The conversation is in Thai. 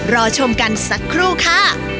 รอชมกันสักครู่ค่ะ